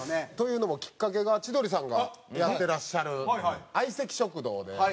というのもきっかけが千鳥さんがやってらっしゃる『相席食堂』で。